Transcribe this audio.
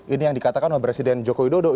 ini yang dikatakan oleh presiden joko widodo